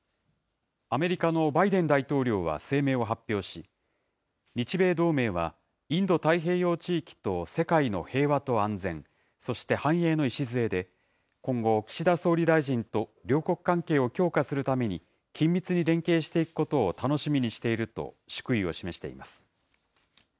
アメリカのバイデン大統領は声明を発表し、日米同盟は、インド太平洋地域と世界の平和と安全、そして繁栄の礎で、今後、岸田総理大臣と両国関係を強化するために、緊密に連携していくことを楽しみにしていると祝意を示しています。